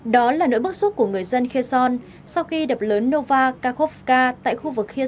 đó là nỗi bức xúc của người dân kherson sau khi đập lớn novakovka tại khu vực kherson